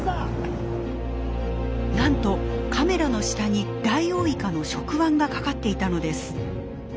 なんとカメラの下にダイオウイカの触腕がかかっていたのです。